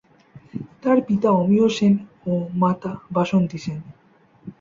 তার পিতা অমিয় সেন ও মাতা বাসন্তী সেন।